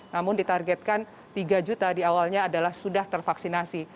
namun ditargetkan tiga juta di awalnya adalah sudah tervaksinasi